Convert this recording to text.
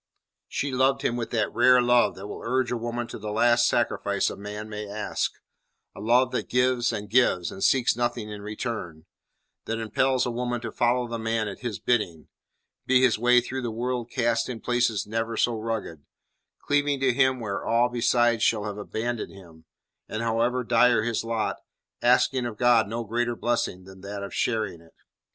She loved him with that rare love that will urge a woman to the last sacrifice a man may ask; a love that gives and gives, and seeks nothing in return; that impels a woman to follow the man at his bidding, be his way through the world cast in places never so rugged; cleaving to him where all besides shall have abandoned him; and, however dire his lot, asking of God no greater blessing than that of sharing it.